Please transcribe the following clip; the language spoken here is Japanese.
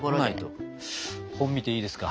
本見ていいですか？